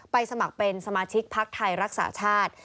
สมัครเป็นสมาชิกพักไทยรักษาชาติ